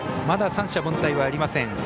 まだ三者凡退はありません。